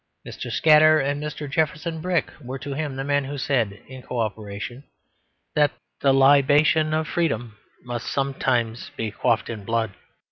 Mr. Scadder and Mr. Jefferson Brick were to him the men who said (in cooperation) that "the libation of freedom must sometimes be quaffed in blood."